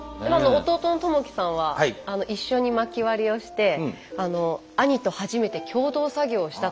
弟の智紀さんは一緒に薪割りをして兄と初めて共同作業をしたと。